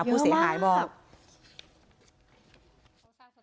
ผู้เสียหายบอกเยอะมาก